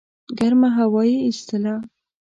ګرمه هوا یې ایستله.